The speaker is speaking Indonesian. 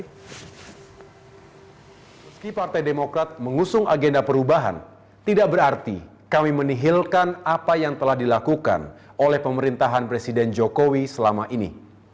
meski partai demokrat mengusung agenda perubahan tidak berarti kami menihilkan apa yang telah dilakukan oleh pemerintahan presiden jokowi selama ini